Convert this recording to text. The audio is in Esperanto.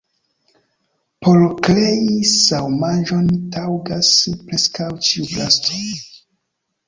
Por krei ŝaumaĵon taŭgas preskaŭ ĉiu plasto.